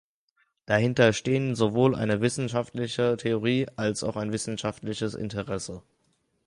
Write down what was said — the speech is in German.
Dahinter stehen sowohl eine wissenschaftliche Theorie als auch ein wirtschaftliches Interesse.